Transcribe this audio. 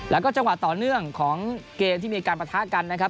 แล้วก็จังหวะต่อเนื่องของเกมที่มีการประทะกันนะครับ